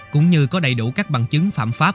cũng như có đầy đủ các bằng chứng phạm pháp